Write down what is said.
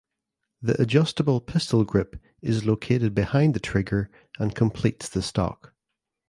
The adjustable pistol grip is located behind the trigger and completes the stock.